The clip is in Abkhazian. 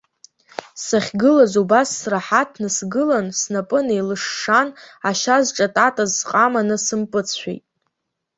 Сахьгылаз, убас сраҳаҭны сгылан, снапы неилышшан, ашьа зҿататаз сҟама насымпыҵшәеит.